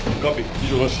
異常なし。